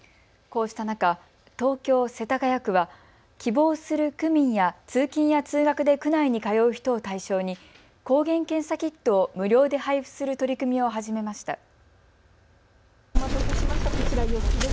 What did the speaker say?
こうした中、東京世田谷区は希望する区民や通勤や通学で区内に通う人を対象に抗原検査キットを無料で配布する取り組みを始めました。